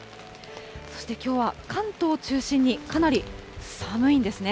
そしてきょうは関東中心にかなり寒いんですね。